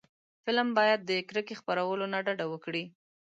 فلم باید د کرکې خپرولو نه ډډه وکړي